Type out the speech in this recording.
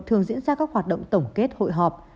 thường diễn ra các hoạt động tổng kết hội họp